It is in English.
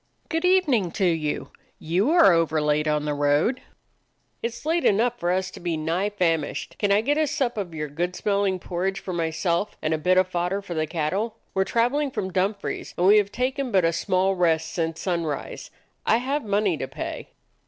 "Good evening to you. You are over late on the road." "It 's late enough for us to be nigh famished. Could I get a sup o' your good smelling por ridge for myself, and a bit of fodder for the cattle? We 're traveling from Dumfries, and we have taken but a small rest since sunrise. I have money to pay."